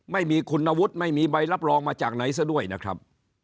ไม่มีคุณวุฒิไม่มีใบรับรองมาจากไหนซะด้วยนะครับ